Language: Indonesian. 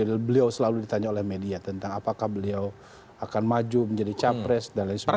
beliau selalu ditanya oleh media tentang apakah beliau akan maju menjadi capres dan lain sebagainya